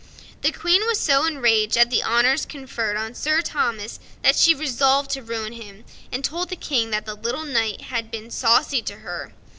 The Queen was so enraged at the honors conferred on Sir Thomas that she resolved to ruin him, and told the King that the little knight had been saucy to her.